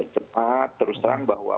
cepat terus terang bahwa